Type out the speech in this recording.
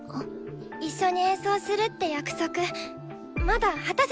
一緒に演奏するって約束まだ果たせてないんだよ！？